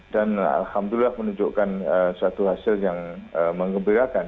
dan alhamdulillah menunjukkan suatu hasil yang mengembirakan